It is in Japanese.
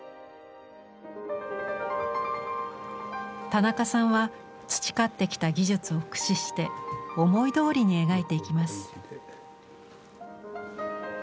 田中さんは培ってきた技術を駆使して思いどおりに描いていきます。